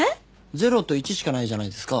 ０と１しかないじゃないですか。